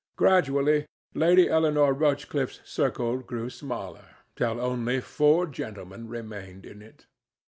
Gradually, Lady Eleanore Rochcliffe's circle grew smaller, till only four gentlemen remained in it.